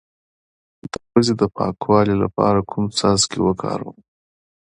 د پوزې د پاکوالي لپاره کوم څاڅکي وکاروم؟